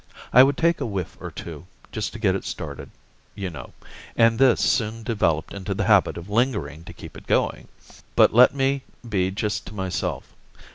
I would take a whiff or two, just to get it started, you know, and this soon developed into the habit of lingering to keep it going. But let me be just to myself.